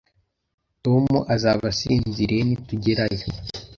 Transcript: Tom azaba asinziriye nitugerayo